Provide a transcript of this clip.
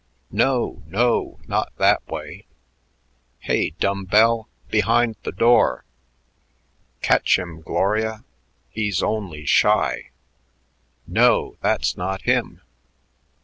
No, no! Not that way. Hey, dumbbell behind the door."... "Catch him, Gloria; he's only shy!"... "No, that's not him!"